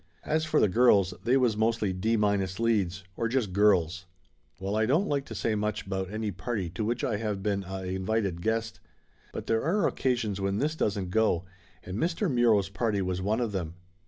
As for the girls, they was mostly D minus leads or just girls. Well, I don't like to say much bout any party to which I have been a invited guest, but there are occa sions when this doesn't go, and Mr. Muro's party was one of them.